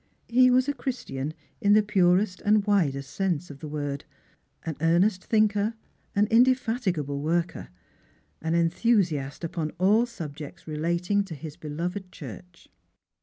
He was a Christian in the purest and widest sense of the word; an earnest thinker, an indefatigable worker ; an enthusiast upon all subjects relating to his beloved Church.